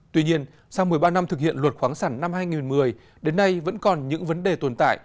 tuy nhiên sau một mươi ba năm thực hiện luật khoáng sản năm hai nghìn một mươi đến nay vẫn còn những vấn đề tồn tại